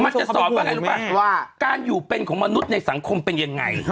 มันจะสอบว่าการอยู่เป็นของมนุษย์ในสังคมเป็นยังไง